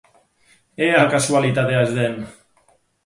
Ea kasualitatea ez den!